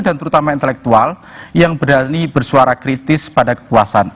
dan terutama intelektual yang berani bersuara kritis pada kekuasaan